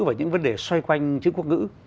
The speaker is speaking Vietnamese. và những vấn đề xoay quanh chữ quốc ngữ